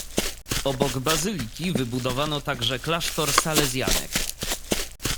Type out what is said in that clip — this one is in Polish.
Obok bazyliki wybudowano także klasztor salezjanek.